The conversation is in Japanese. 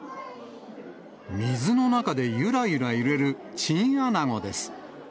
水の中でゆらゆら揺れるチンアナゴです。